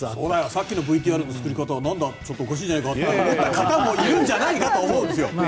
さっきのＶＴＲの作り方はおかしいじゃないかと思った方もいるんじゃないかと思うんですよ。